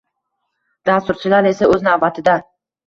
Dasturchilar esa o’z navbatida